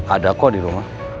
ada kok di rumah